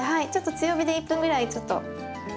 強火で１分ぐらいちょっと。